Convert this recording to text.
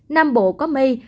nam bộ có mây